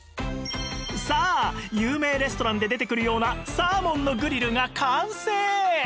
さあ有名レストランで出てくるようなサーモンのグリルが完成！